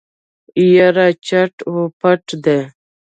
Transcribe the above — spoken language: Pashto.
يره چټ و پټ دی.